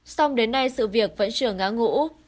xong đến nay sự việc vẫn trở ngã ngũ